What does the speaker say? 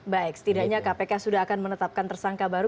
baik setidaknya kpk sudah akan menetapkan tersangka baru